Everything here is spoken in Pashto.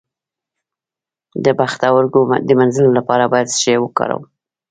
د پښتورګو د مینځلو لپاره باید څه شی وکاروم؟